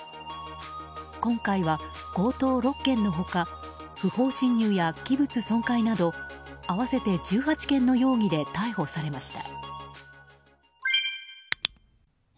今回は強盗６件の他不法侵入や器物損壊など合わせて１８件の容疑で逮捕されました。